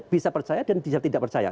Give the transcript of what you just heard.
bisa percaya dan bisa tidak percaya